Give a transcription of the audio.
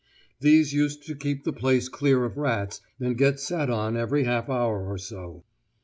These used to keep the place clear of rats and get sat on every half hour or so.